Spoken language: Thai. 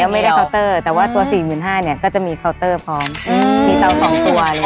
แต่ไม่ได้เคาน์เตอร์อย่างเดียวแต่ว่าตัว๔๕๐๐๐บาทเนี่ยก็จะมีเคาน์เตอร์พร้อมมีเตาสองตัวเลย